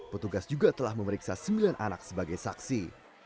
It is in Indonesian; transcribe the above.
petugas juga telah memeriksa sembilan anak sebagai saksi